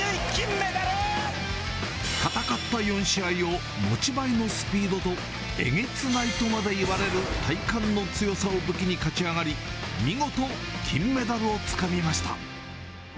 戦った４試合を、持ち前のスピードと、えげつないとまでいわれる体幹の強さを武器に勝ち上がり、見事、金メダルをつかみました。